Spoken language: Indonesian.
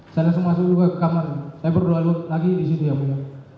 saya langsung masuk juga ke kamar saya berdua lagi di situ yang mulia